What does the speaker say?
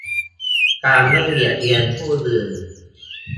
การไม่เบียดเบียนผู้อื่น